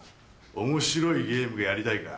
面白いゲームやりたいか？